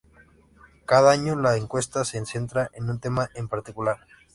Cada año la encuesta se centra en un tema en particular.